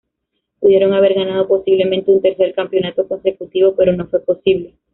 Pudieron haber ganado posiblemente un tercer campeonato consecutivo, pero no fue posible.